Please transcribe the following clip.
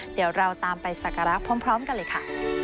เดี๋ยวเราตามไปสักการะพร้อมกันเลยค่ะ